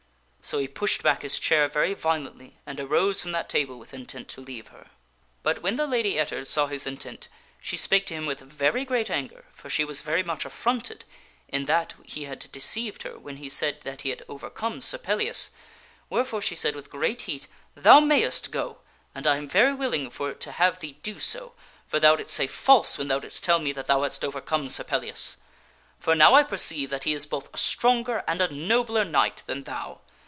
So he pushed back his chair very violently and arose from that table with intent to leave her. But when the Lady Ettard saw his intent she spake to him with very great anger, for she was very much affronted in that he had deceived her when he said that he had overcome Sir Pellias. Wherefore she said with great heat, " Thou mayst go, and I am very willing for to S and G tLady have thee do so, for thou didst say false when thou didst tell Ettard speak me that thou hadst overcome Sir Pellias. For now I perceive bitterly together. that he . both & stronger and a no bler knight than thou.